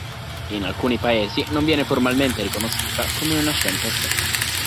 In alcuni paesi non viene formalmente riconosciuta come una scienza a sé.